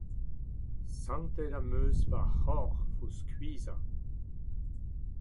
Santet am eus va c'horf o skuizhañ.